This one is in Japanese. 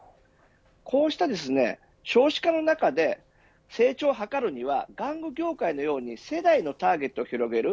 こうした少子化の中で成長を図るには玩具業界のように世代のターゲットを広げる。